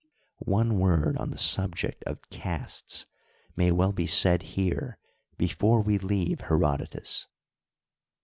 One word on the subject of castes may well be said here before we leave Herodo tus.